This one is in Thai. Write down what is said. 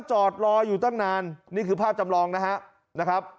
จอดรออยู่ตั้งนานนี่คือภาพจำลองนะครับ